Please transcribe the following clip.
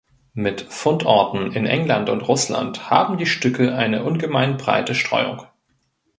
Mit Fundorten in England und Russland haben die Stücke eine ungemein breite Streuung.